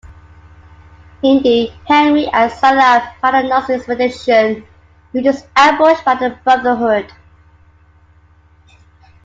Indy, Henry, and Sallah find the Nazi expedition, which is ambushed by the Brotherhood.